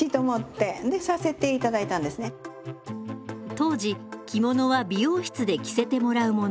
当時着物は美容室で着せてもらうもの。